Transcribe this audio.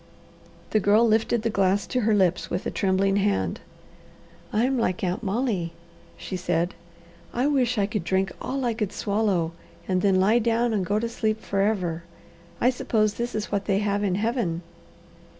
The Girl lifted the glass to her lips with a trembling hand. "I'm like Aunt Molly," she said; "I wish I could drink all I could swallow, and then lie down and go to sleep forever. I suppose this is what they have in Heaven."